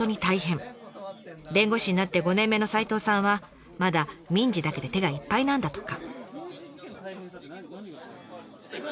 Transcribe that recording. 弁護士になって５年目の齋藤さんはまだ民事だけで手がいっぱいなんだとか。